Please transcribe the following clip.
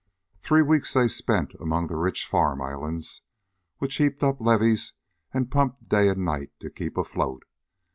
Three weeks they spent among the rich farm islands, which heaped up levees and pumped day and night to keep afloat.